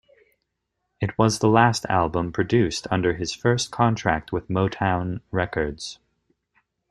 It was the last album produced under his first contract with Motown Records.